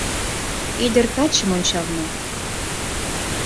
Ӱдыр-качым ончална.